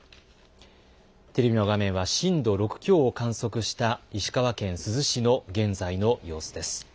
テレビの画面は、震度６強を観測した石川県珠洲市の現在の様子です。